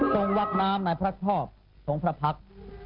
วักน้ำในพระทอบทรงพระพักษ์